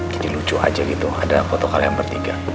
jadi lucu aja gitu ada foto kalian bertiga